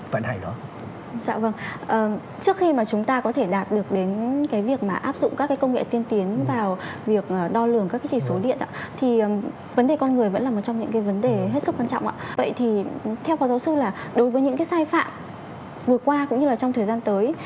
vậy thì theo khoa giáo sư là đối với những sai phạm vừa qua cũng như là trong thời gian tới